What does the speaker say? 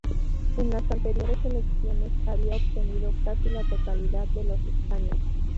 En las anteriores elecciones había obtenido casi la totalidad de los escaños.